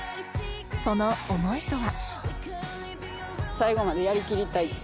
その想いとは？